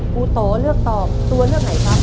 โตเลือกตอบตัวเลือกไหนครับ